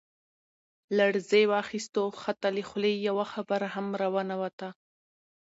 لړزې واخستو حتا له خولې يې يوه خبره هم را ونوته.